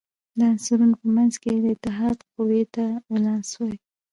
د عنصرونو په منځ کې د اتحاد قوې ته ولانس وايي.